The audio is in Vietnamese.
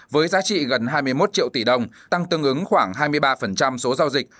với giá trị gần hai mươi một triệu tỷ đồng tăng tương ứng khoảng hai mươi ba số giao dịch